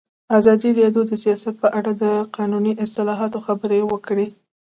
ازادي راډیو د سیاست په اړه د قانوني اصلاحاتو خبر ورکړی.